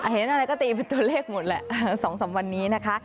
เห็นอะไรก็ตีไปตัวเลขหมดแหละสองสองวันนี้นะคะ